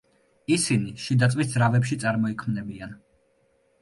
ისინი შიდაწვის ძრავებში წარმოიქმნებიან.